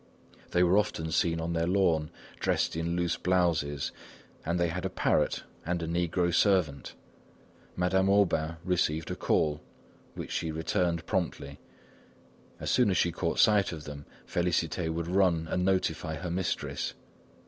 They were often seen on their lawn, dressed in loose blouses, and they had a parrot and a negro servant. Madame Aubain received a call, which she returned promptly. As soon as she caught sight of them, Félicité would run and notify her mistress.